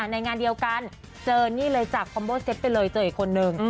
ในงานเดียวกันเจอนี่เลยจากคอมเบอร์เซ็ตไปเลยเจออีกคนนึง